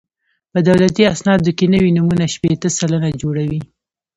په دولتي اسنادو کې نوي نومونه شپېته سلنه جوړوي